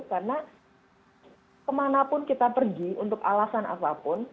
karena kemana pun kita pergi untuk alasan apapun